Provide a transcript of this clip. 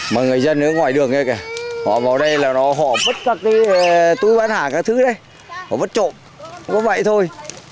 mà người dân ở ngoài đường nghe kìa họ vào đây là họ vứt sạch đi túi bán hả các thứ đấy họ vứt trộm có vậy thôi